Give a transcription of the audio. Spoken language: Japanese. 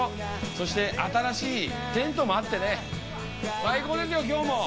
そして、新しいテントもあって最高ですよ、今日も。